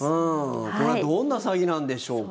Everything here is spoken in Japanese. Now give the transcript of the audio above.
これはどんな詐欺なんでしょうか。